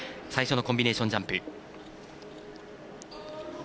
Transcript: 最初のコンビネーションジャンプ。